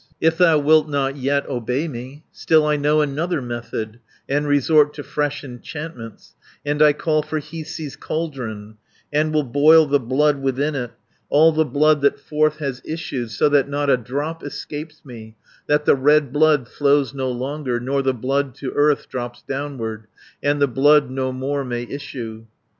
"If thou wilt not yet obey me, Still I know another method, And resort to fresh enchantments: And I call for Hiisi's caldron, And will boil the blood within it All the blood that forth has issued, So that not a drop escapes me, That the red blood flows no longer, 390 Nor the blood to earth drops downward, And the blood no more may issue.